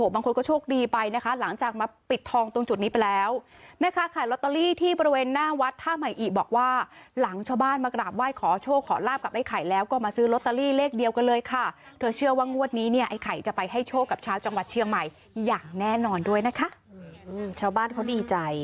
บางคนก็โชคดีไปนะคะหลังจากมาปิดทองตรงจุดนี้ไปแล้วแม่ค้าขายลอตเตอรี่ที่บริเวณหน้าวัดท่าใหม่อิบอกว่าหลังชาวบ้านมากราบไหว้ขอโชคขอลาบกับไอ้ไข่แล้วก็มาซื้อลอตเตอรี่เลขเดียวกันเลยค่ะเธอเชื่อว่างวดนี้เนี่ยไอ้ไข่จะไปให้โชคกับชาวจังหวัดเชียงใหม่อย่างแน่นอนด้วยนะคะชาวบ้านเขาดีใจ